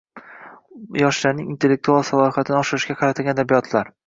yoshlarning intellektual salohiyatini oshirishga qaratilgan adabiyotlar